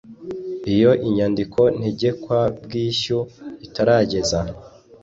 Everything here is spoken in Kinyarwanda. Iyo inyandiko ntegekabwishyu itarageza